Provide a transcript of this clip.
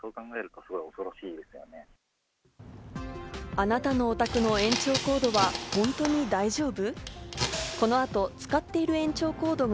あなたのお宅の延長コードは本当に大丈夫？